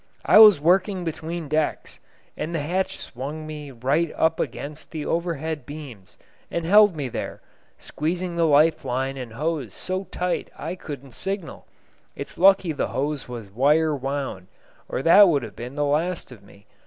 I was working between decks, and the hatch swung me right up against the overhead beams and held me there, squeezing the life line and hose so tight I couldn't signal. It's lucky the hose was wire wound, or that would have been the last of me.